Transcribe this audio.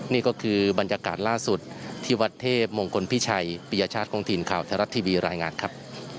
นี่ก็คือบรรยากาศล่าสุดที่วัดเทพมงคลพิชัยปียชาติองค์ถิารายงานครับ